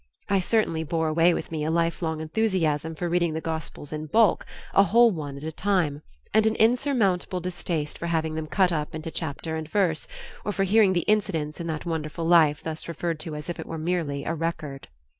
I certainly bore away with me a lifelong enthusiasm for reading the Gospels in bulk, a whole one at a time, and an insurmountable distaste for having them cut up into chapter and verse, or for hearing the incidents in that wonderful Life thus referred to as if it were merely a record.